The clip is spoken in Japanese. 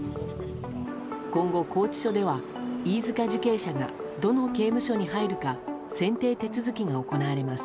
今後、拘置所では飯塚受刑者がどの刑務所に入るか選定手続きが行われます。